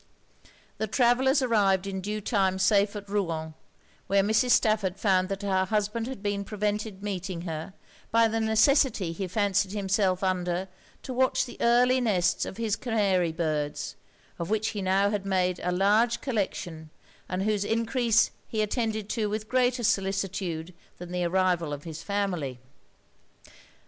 The travellers arrived in due time safe at Rouen; where Mrs. Stafford found that her husband had been prevented meeting her, by the necessity he fancied himself under to watch the early nests of his Canary birds, of which he had now made a large collection, and whose encrease he attended to with greater solicitude than the arrival of his family.